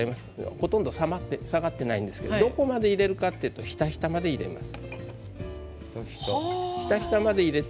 ほとんど下がっていないんですけれどどこまで入れるるかというとひたひたまで入れます。